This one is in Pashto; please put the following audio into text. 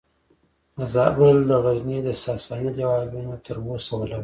د زابل د غزنیې د ساساني دیوالونه تر اوسه ولاړ دي